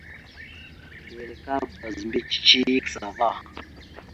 Nʉwel aka bazə mbiyez cici ya kəsa ava.